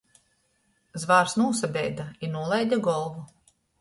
Zvārs nūsabeida i nūlaide golvu.